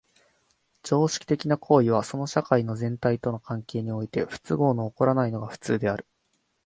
常識的な行為はその社会の全体との関係において不都合の起こらないのが普通である。